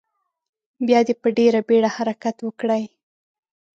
بیا دې په ډیره بیړه حرکت وکړي.